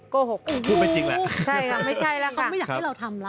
โกหกพูดไม่จริงแหละ